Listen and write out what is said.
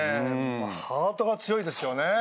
ハートが強いですよね。